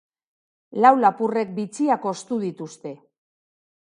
Lau lapurrek bitxiak ostu dituzte.